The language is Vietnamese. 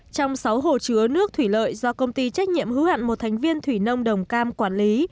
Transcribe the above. trong sáu hồ chứa nước thủy lợi do công ty trách nhiệm hữu hạn một thành viên thủy nông đồng cam quản lý